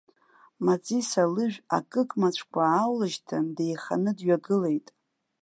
Маҵиса лыжә акыкмацәқәа ааулышьҭын, деиханы дҩагылеит.